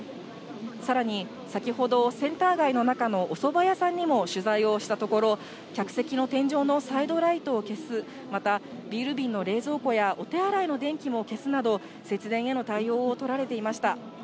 さらに先ほど、センター街の中のおそば屋さんにも取材をしたところ、客席の天井のサイドライトを消す、またビール瓶の冷蔵庫やお手洗いの電気も消すなど、節電への対応を取られていました。